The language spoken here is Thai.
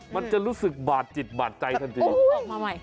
มันจะรู้สึกบาดจิตบาดใจทันทีออกมาใหม่